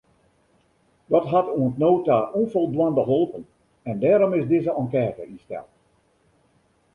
Dat hat oant no ta ûnfoldwaande holpen en dêrom is dizze enkête ynsteld.